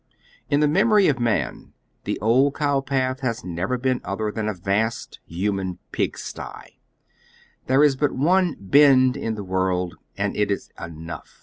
In the memory of man the old cow path has never been other than a vast hnman pig sty. There is but one " Bend " in the world, and it is enough.